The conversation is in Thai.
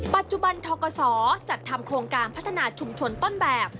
ปัจจุบันทกศจัดทำโครงการพัฒนาชุมชนต้นแบบ